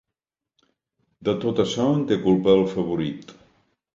De tot açò en té culpa el favorit.